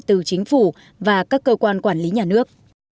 từ chính phủ và các cơ quan quản lý nhà nước